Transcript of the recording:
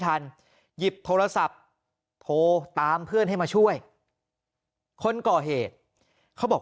หยิบโทรศัพท์โทรตามเพื่อนให้มาช่วยคนก่อเหตุเขาบอก